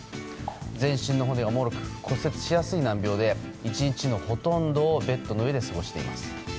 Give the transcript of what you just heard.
全身の骨がもろく骨折しやすい難病で１日のほとんどをベッドの上で過ごしています。